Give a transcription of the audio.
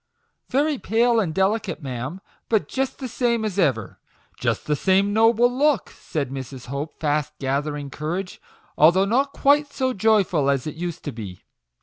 " Very pale and delicate, ma'am ; but just the same as ever just the same noble look," said Mrs. Hope, fast gathering courage, " although not quite so joyful like as it used to be.